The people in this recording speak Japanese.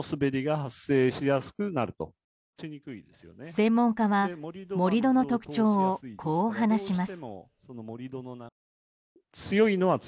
専門家は盛り土の特徴をこう話します。